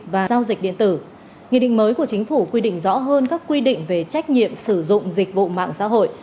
và giao dịch điện tử nghị định mới của chính phủ quy định rõ hơn các quy định về trách nhiệm sử dụng dịch vụ mạng xã hội